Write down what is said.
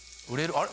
あれ？